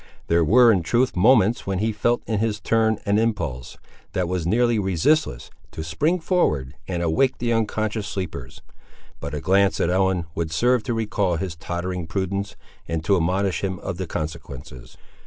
There were, in truth, moments when he felt in his turn an impulse, that was nearly resistless, to spring forward and awake the unconscious sleepers; but a glance at Ellen would serve to recall his tottering prudence, and to admonish him of the consequences.